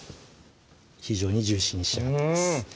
非常にジューシーに仕上がっています